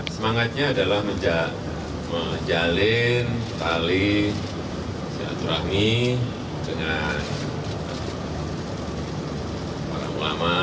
semangatnya adalah menjalin tali sehat rahmi dengan para ulama